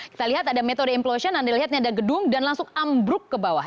kita lihat ada metode implosion anda lihat ini ada gedung dan langsung ambruk ke bawah